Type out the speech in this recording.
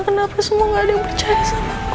kenapa semua gak ada yang percaya sama